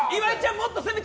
もっと攻めて！